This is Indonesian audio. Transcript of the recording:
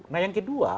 nah yang kedua